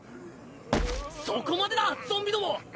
そこまでだソンビども！